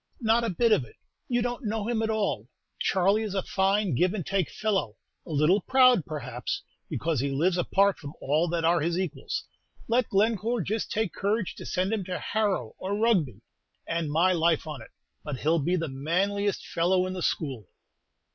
"Not a bit of it. You don't know him at all. Charley is a fine give and take fellow; a little proud, perhaps, because he lives apart from all that are his equals. Let Glencore just take courage to send him to Harrow or Rugby, and my life on it, but he 'll be the manliest fellow in the school."